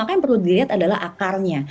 itu adalah akarnya